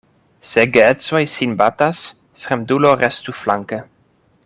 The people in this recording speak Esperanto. Se geedzoj sin batas, fremdulo restu flanke.